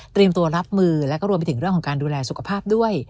ตัวรับมือแล้วก็รวมไปถึงเรื่องของการดูแลสุขภาพด้วย